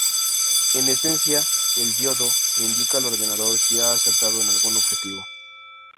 En esencia, el diodo le indica al ordenador si ha acertado en algún objetivo.